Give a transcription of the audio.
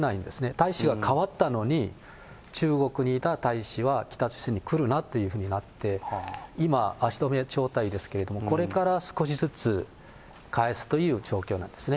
大使は変わったのに、中国にいた大使は北朝鮮に来るなっていうふうになって、今、足止め状態ですけど、これから少しずつ帰すという状況なんですね。